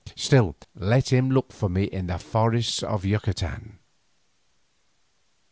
Still, let him look for me in the forests of Yucatan."